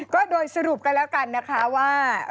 ก็โดยสรุปกันแล้วกันนะคะว่า